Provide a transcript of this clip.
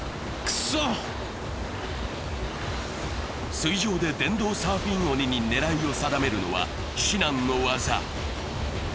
水上で電動サーフィン鬼に狙いを定めるのは至難の業。